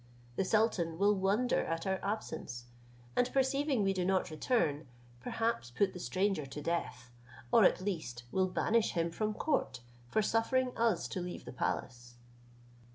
The sultan will wonder at our absence, and perceiving we do not return, perhaps put the stranger to death, or at least will banish him from court, for suffering us to leave the palace."